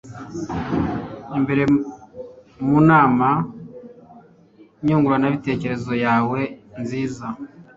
imbere mu nama nyunguranabitekerezo yawe nziza